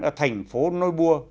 ở thành phố noi bua